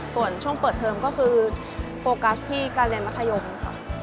ส่วนช่วงเปิดเทอมก็คือโฟกัสที่การเรียนมัธยมค่ะ